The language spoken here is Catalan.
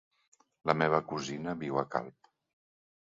La meva cosina viu a Calp.